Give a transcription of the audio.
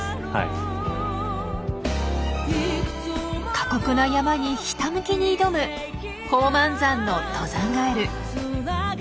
過酷な山にひたむきに挑む宝満山の登山ガエル。